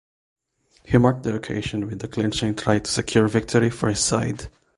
He marked the occasion with the clinching try to secure victory for his side.